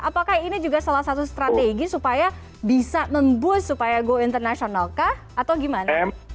apakah ini juga salah satu strategi supaya bisa memboost supaya go internasional kah atau gimana